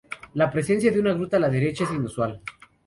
La presencia de una gruta a la derecha es inusual.